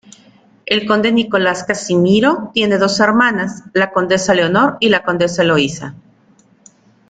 El conde Nicolás Casimiro tiene dos hermanas, la condesa Leonor y la condesa Eloísa.